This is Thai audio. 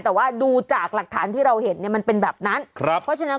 แต่ว่าดูจากหลักฐานที่เราเห็นเนี่ยมันเป็นแบบนั้นครับเพราะฉะนั้น